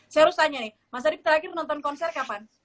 saya harus tanya nih mas arief terakhir nonton konser kapan